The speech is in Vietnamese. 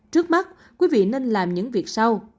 trước mắt quý vị nên làm những việc sau